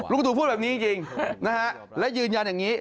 ประตูพูดแบบนี้จริงนะฮะและยืนยันอย่างนี้